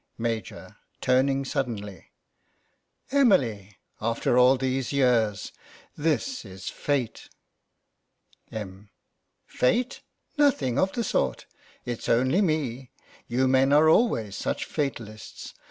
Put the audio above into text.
Major (turning suddenly) : Emily ! After all these years ! This is fate ! Em. : Fate ! Nothing of the sort ; it's only me. You men are always such fatalists.